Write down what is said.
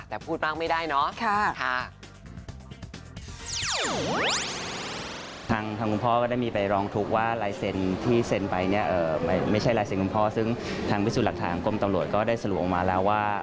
แต่พูดมากไม่ได้เนอะค่ะค่ะ